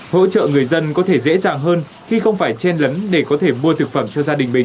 hỗ trợ người dân có thể dễ dàng hơn khi không phải chen lấn để có thể mua thực phẩm cho gia đình mình